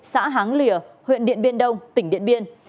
xã háng lìa huyện điện biên đông tỉnh điện biên